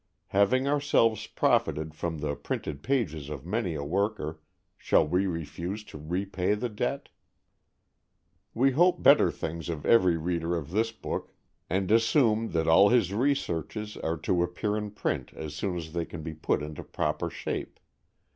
Having ourselves profited from the printed pages of many a worker, shall we refuse to repay the debt? We hope better things of every reader of this book, and assume that all his researches are to appear in print as soon as they can be put into proper shape.